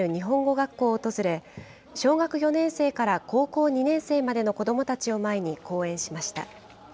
学校を訪れ、小学４年生から高校２年生までの子どもたちを前に講演しました。